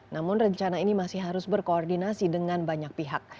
namun rencana ini masih harus berkoordinasi dengan banyak pihak